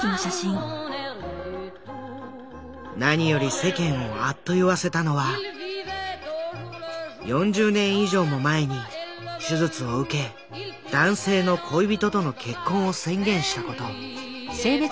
何より世間をあっと言わせたのは４０年以上も前に手術を受け男性の恋人との結婚を宣言した事。